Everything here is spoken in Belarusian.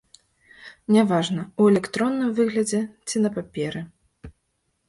Няважна, у электронным выглядзе ці на паперы.